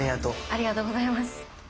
ありがとうございます。